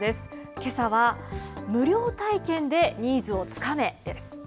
けさは、無料体験でニーズをつかめ！です。